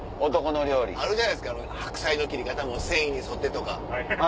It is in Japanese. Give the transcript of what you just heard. あるじゃないですか白菜の切り方繊維に沿ってとか。